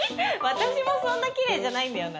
私もそんなキレイじゃないんだよな